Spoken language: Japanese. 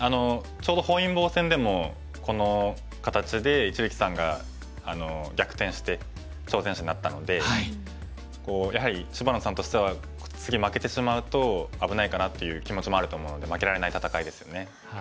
ちょうど本因坊戦でもこの形で一力さんが逆転して挑戦者になったのでやはり芝野さんとしては次負けてしまうと危ないかなという気持ちもあると思うので負けられない戦いですよね。